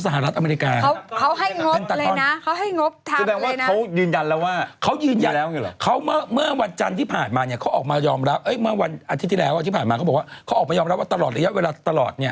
จะเอาข่าวฉันไปทำไมจะฟังฉันอ่านไหมเนี่ย